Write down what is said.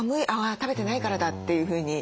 あ食べてないからだ」というふうに。